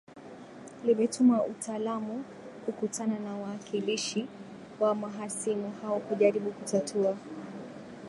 limetuma utalamu kukutana na waakilishi wa mahasimu hao kujaribu kutatua